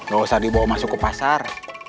gak usah dibawa masuk ke pasar